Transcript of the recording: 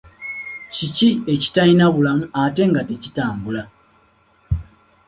Kiki ekitalina bulamu ate nga tekitambula?